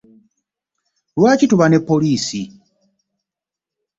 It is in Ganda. Lwaki tuba ne Poliisi?